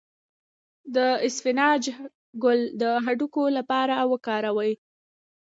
د اسفناج ګل د هډوکو لپاره وکاروئ